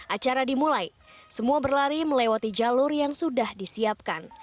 acara dimulai semua berlari melewati jalur yang sudah disiapkan